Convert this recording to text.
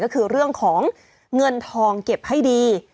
ก็คือเรื่องของเงินทองเก็บให้ดี